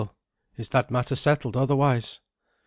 Is that matter settled otherwise?"